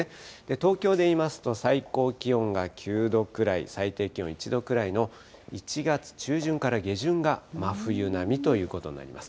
東京でいいますと、最高気温が９度くらい、最低気温１度くらいの１月中旬から下旬が真冬並みということになります。